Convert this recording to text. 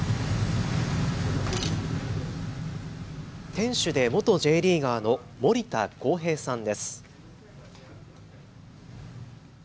店主で元Ｊリーガーの盛田剛平さんです。